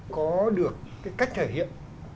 có được cách thể hiện